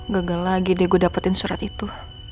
gagal lagi deh gue dapetin surat itu